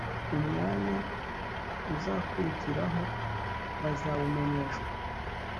Umwanya uzakurikiraho bazawumenyeshwa